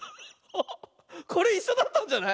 これいっしょだったんじゃない？